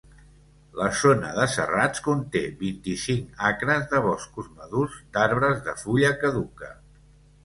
La zona de serrats conté vint-i-cinc acres de boscos madurs d'arbres de fulla caduca.